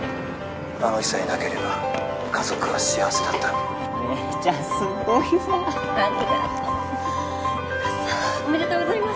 ☎あの日さえなければ家族は幸せだった姉ちゃんすごいわありがとうよかったおめでとうございます